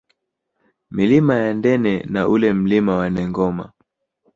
Milima ya Ndene na ule Mlima wa Nengoma